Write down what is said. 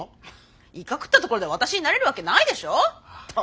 イカ食ったところで私になれるわけないでしょ！